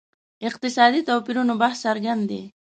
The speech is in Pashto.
اقتصادي توپیرونو بحث څرګند دی.